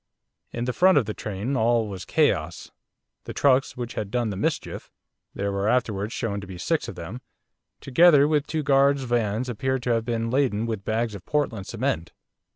In the front of the train all was chaos. The trucks which had done the mischief there were afterwards shown to be six of them, together with two guards' vans appeared to have been laden with bags of Portland cement.